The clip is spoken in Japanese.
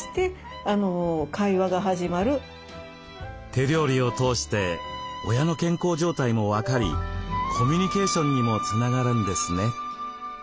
手料理を通して親の健康状態も分かりコミュニケーションにもつながるんですね。